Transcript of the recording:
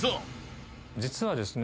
実はですね